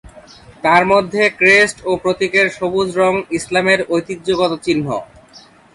তার মধ্যে ক্রেস্ট ও প্রতীকের সবুজ রঙ ইসলামের ঐতিহ্যগত চিহ্ন।